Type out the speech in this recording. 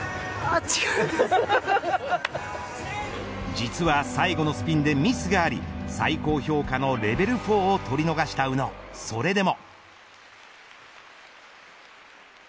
実は最後のスピンでミスがあり最高評価のレベル４を取り逃した宇野、それでも。